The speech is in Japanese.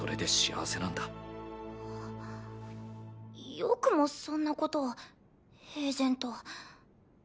よくもそんなことを平然と。